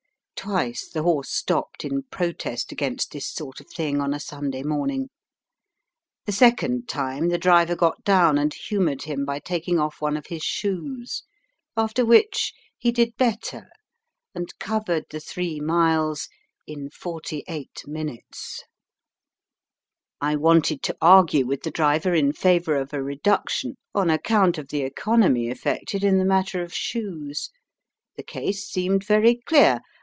Twice the horse stopped in protest against this sort of thing on a Sunday morning. The second time the driver got down and humoured him by taking off one of his shoes ; after which he did better, and covered the three miles in forty eight minutes. Digitized by VjOOQIC 28 EAST BY WEST. I wanted to argue with the driver in favour of a reduction, on account of the economy effected in the matter of shoes. The case seemed very clear.